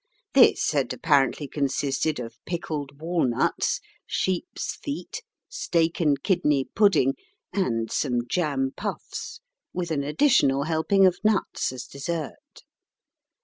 This had apparently consisted of pickled walnuts, sheep's feet, steak and kidney pudding, and some jam puffs, with an additional helping of nuts as dessert.